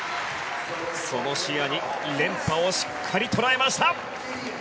その視野に連覇をしっかり捉えました！